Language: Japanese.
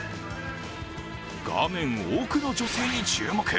画面奥の女性に注目。